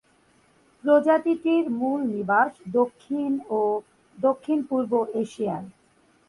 প্রজাতিটির মূল নিবাস দক্ষিণ ও দক্ষিণ-পূর্ব এশিয়ায়।